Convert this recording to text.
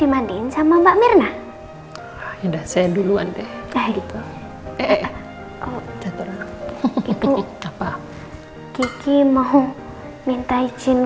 mandin sama mbak mirna indah saya duluan deh kayak gitu eh oh itu apa kiki mau minta izin